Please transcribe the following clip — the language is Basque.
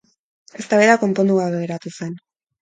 Eztabaida konpondu gabe geratu zen.